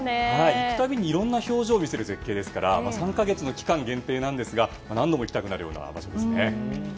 行くたびにいろいろな表情を見せる絶景ですから３か月の期間限定なんですが何度も行きたくなる場所ですね。